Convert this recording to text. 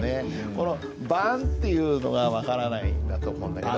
この「晩」っていうのが分からないんだと思うんだけど。